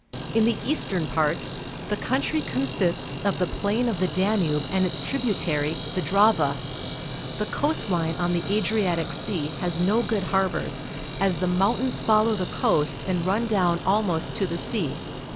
In the eastern part the country consists of the plain of the Danube and its tributary, the Drave. The coast line on the Adriatic Sea has no good harbours, as the mountains follow the coast and run down almost to the sea.